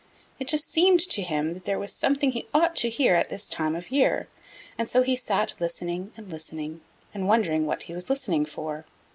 It just seemed to him that there was something he ought to hear at this time of year, and so he sat listening and listening and wondering what he was listening for.